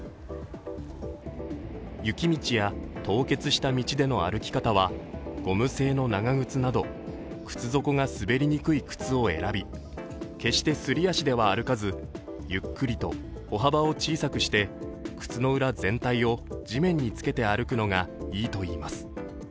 雪道や凍結した道での歩き方はゴム製の長靴など靴底が滑りにくい靴を選び、決してすり足では歩かず、ゆっくりと歩幅を小さくして靴の裏全体を地面につけて歩くのがいいといいます。